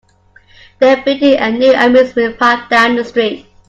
They're building a new amusement park down the street.